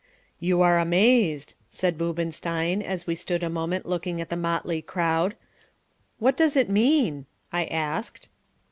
"You are amazed," said Boobenstein as we stood a moment looking at the motley crowd. "What does it mean?" I asked.